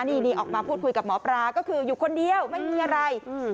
นี่นี่ออกมาพูดคุยกับหมอปลาก็คืออยู่คนเดียวไม่มีอะไรอืม